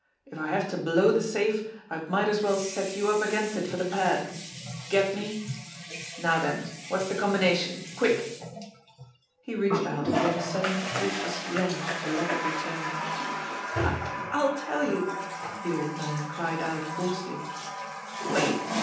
If I have to blow the safe, I might as well set you up against it for the pad ! Get me ? Now then, what's the combination ? Quick !" He reached out and gave a sudden, vicious wrench at the leg of the chair. "I I'll tell you," the old man cried out hoarsely. "Wait